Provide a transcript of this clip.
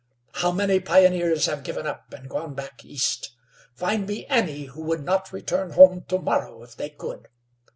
How many pioneers have given up, and gone back east? Find me any who would not return home to morrow, if they could.